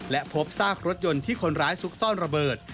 และพบซากรถยนต์ที่คนร้ายซุกซ่อนระเบิด